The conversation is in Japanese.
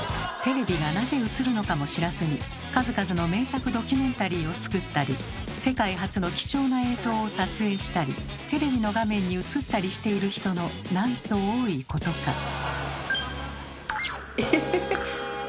テレビがなぜ映るのかも知らずに数々の名作ドキュメンタリーを作ったり世界初の貴重な映像を撮影したりテレビの画面に映ったりしている人のなんと多いことか。